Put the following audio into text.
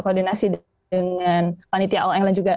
saya hanya sudah menggunakan email